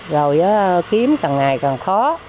rồi kiếm càng ngày càng khó